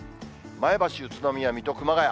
前橋、宇都宮、水戸、熊谷。